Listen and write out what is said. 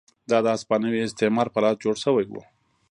دا د هسپانوي استعمار په لاس جوړ شوي وو.